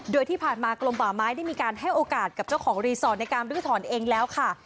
โดยที่ผ่านมากลมป่าไม้ได้มีการให้โอกาสกับเจ้าของรีสอร์ทในการลื้อถอนเองแล้วค่ะ